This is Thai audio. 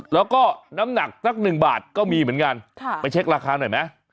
แล้วก็น้ำหนักสัก๑บาทก็มีเหมือนกันไปเช็คราคาหน่อยไหม